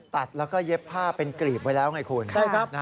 ตัดและเย็บผ้าเป็นกรีบไว้คุณ